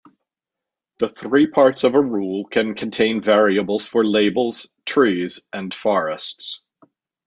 The three parts of a rule can contain variables for labels, trees, and forests.